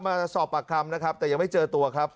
มาสอบปากคำนะครับแต่ยังไม่เจอตัวครับ